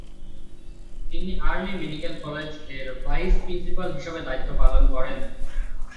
তিনি army medical college এর vice principal হিসেবে দায়িত্ব পালন করেন।